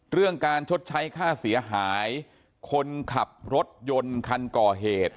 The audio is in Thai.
เรื่องการชดใช้ค่าเสียหายคนขับรถยนต์คันก่อเหตุ